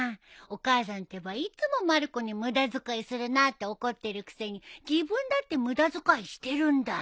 お母さんてばいつもまる子に無駄遣いするなって怒ってるくせに自分だって無駄遣いしてるんだよ。